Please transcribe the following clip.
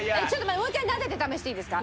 もう１回なでて試していいですか？